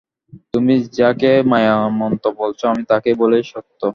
তুমি যাকে মায়ামন্ত্র বলছ আমি তাকেই বলি সত্য।